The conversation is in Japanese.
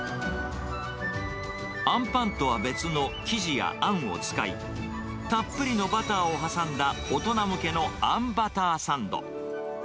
あんぱんとは別の生地やあんを使い、たっぷりのバターを挟んだ、大人向けのあんバターサンド。